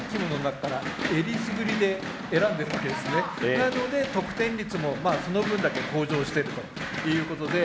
なので得点率もその分だけ向上してるということで。